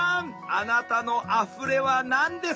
あなたの「あふれ」は何ですか？